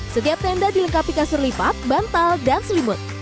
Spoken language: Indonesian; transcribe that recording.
setiap tenda dilengkapi kasur lipat bantal dan selimut